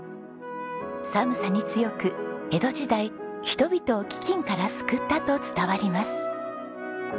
寒さに強く江戸時代人々を飢饉から救ったと伝わります。